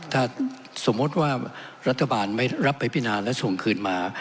ถ้าสมมุติว่ารัฐบาลไม่รับไปพินาและส่งคืนมา